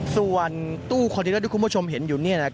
ส่วนตู้คอลดิรัติคุณผู้ชมเห็นอยู่นี่